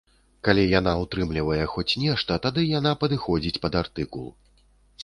Калі яна ўтрымлівае хоць нешта, тады яна падыходзіць пад артыкул.